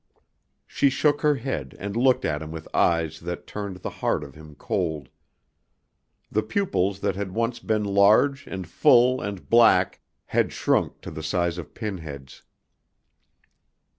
She shook her head and looked at him with eyes that turned the heart of him cold. The pupils that had once been large and full and black had shrunk to the size of pin heads.